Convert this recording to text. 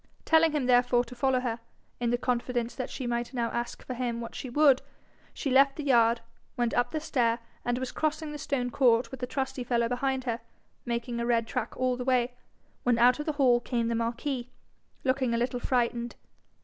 Telling him therefore to follow her, in the confidence that she might now ask for him what she would, she left the yard, went up the stair, and was crossing the stone court with the trusty fellow behind her, making a red track all the way, when out of the hall came the marquis, looking a little frightened.